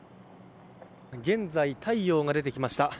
現在、太陽が出てきました。